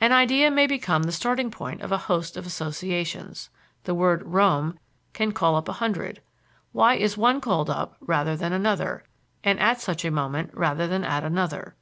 An idea may become the starting point of a host of associations. The word "Rome" can call up a hundred. Why is one called up rather than another, and at such a moment rather than at another?